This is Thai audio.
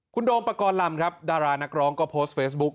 คุณโดมปกรณ์ลำครับดารานักร้องก็โพสต์เฟซบุ๊ค